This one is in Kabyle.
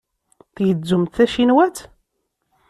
Tgezzumt tacinwat?